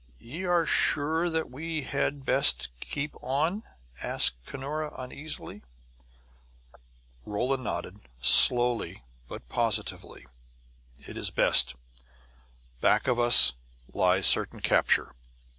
"Ye are sure that we had best keep on?" asked Cunora uneasily. Rolla nodded, slowly but positively. "It is best. Back of us lies certain capture.